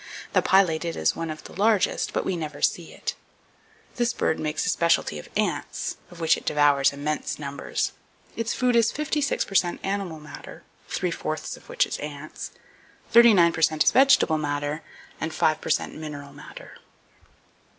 The Pileated is one of the largest, but we never see it. This bird makes a specialty of ants, of which it devours immense numbers. Its food is 56 per cent animal matter (three fourths of which is ants), 39 per cent is vegetable matter, and 5 per cent mineral matter.